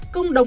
công đồng ý